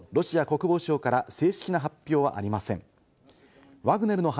これまでのところ、ロシア国防省から正式な発表はありません。